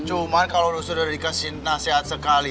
cuman kalau sudah dikasih nasihat sekali